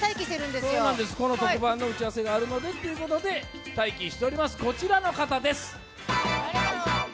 この特番の打ち合わせがあるのでということで待機しております、こちらの方です。